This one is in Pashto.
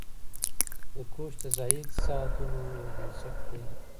هندوکش د ځایي اقتصادونو یو بنسټ دی.